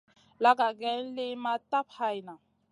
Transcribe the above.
Laga geyn liyn ma tap hayna.